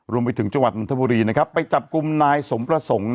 รวมไปถึงจังหวัดนทบุรีไปจับกลุ่มนายสมประสงค์